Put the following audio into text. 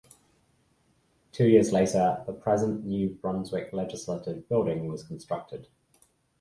Two years later, the present New Brunswick Legislative Building was constructed.